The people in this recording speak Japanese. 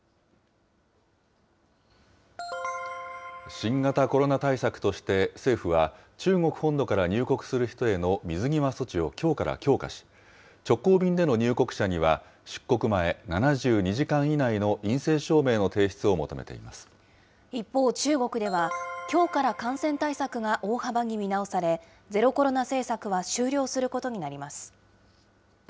新型コロナ対策として、政府は、中国本土から入国する人への水際措置を、きょうから強化し、直行便での入国者には出国前７２時間以内の陰性証明の提出を求め一方、中国では、きょうから感染対策が大幅に見直され、ゼロコロナ政策は終了することになります。